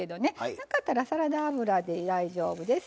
なかったらサラダ油で大丈夫です。